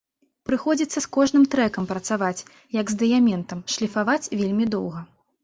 Прыходзіцца з кожным трэкам працаваць, як з дыяментам, шліфаваць вельмі доўга.